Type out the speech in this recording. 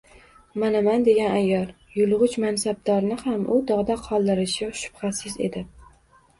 manaman degan ayyor, yulg’ich mansabdorni ham u dog’da qoldirishi shubhasiz edi.